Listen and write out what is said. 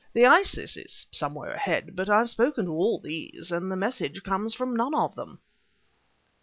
The Isis is somewhere ahead, but I've spoken to all these, and the message comes from none of them."